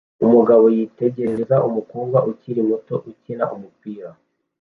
Umugabo yitegereza umukobwa ukiri muto ukina umupira